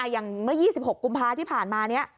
อย่างเมื่อ๒๖กุมภาที่ผ่านมานี้